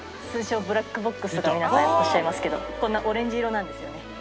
通称、ブラックボックスと皆さんおっしゃいますけど、こんなオレンジ色なんですよね。